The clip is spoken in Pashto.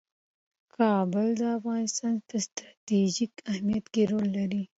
کابل د افغانستان په ستراتیژیک اهمیت کې رول لري.